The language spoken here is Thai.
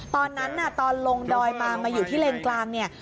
ตอนนั้นตอนลงดอยมามาอยู่ที่เลนกลาง